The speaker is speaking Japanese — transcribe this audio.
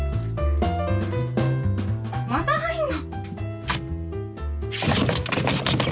また入んの？